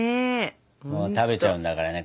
もう食べちゃうんだからね